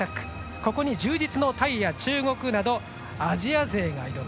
ここに充実のタイや中国などアジア勢が挑む。